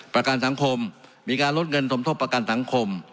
ประกันสังคมมีการลดเงินสมทบประกันสังคม